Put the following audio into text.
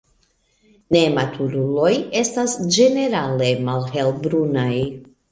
Nematuruloj estas ĝenerale malhelbrunaj.